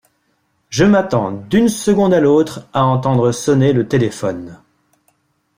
Je m’attends d’une seconde à l’autre à entendre sonner le téléphone.